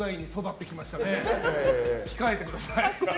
控えてください。